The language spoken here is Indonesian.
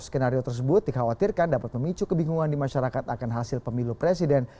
skenario tersebut dikhawatirkan dapat memicu kebingungan di masyarakat akan hasil pemilu presiden